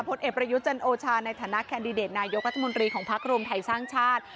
พลเอ็ดประยุทธจันทร์โอชาในฐานะแคนดิเดตนายกรัฐมนตรีของพรรครมไทยช่างชาติ